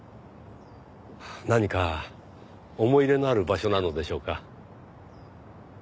何か思い入れのある場所なのでしょうか？